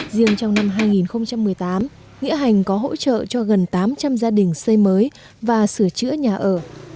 riêng trong năm hai nghìn một mươi tám nghĩa hành có hỗ trợ cho gần tám trăm linh gia đình xây mới và sửa chữa nhà ở